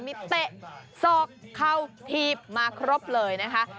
มีเตะสอกเข้าถีบมาครบเลยนะคะ